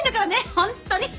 本当に。